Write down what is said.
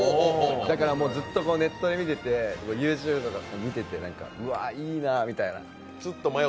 だからネットで見てて、ＹｏｕＴｕｂｅとかも見てて、うわあ、いいなみたいな。